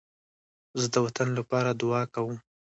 زه د وطن لپاره دعا کوم